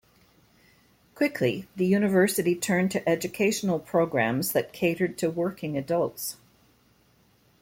Quickly, the university turned to educational programs that catered to working adults.